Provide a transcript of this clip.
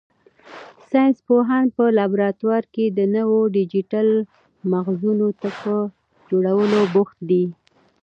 ساینس پوهان په لابراتوار کې د نویو ډیجیټل مغزونو په جوړولو بوخت دي.